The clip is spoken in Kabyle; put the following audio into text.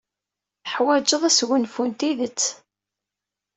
Teḥwajeḍ asgunfu n tidet.